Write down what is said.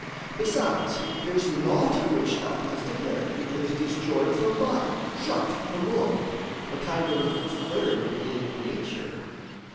Besides, there's naught of which thou canst declare It lives disjoined from body, shut from void A kind of third in nature.